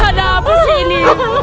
ada apa sih ini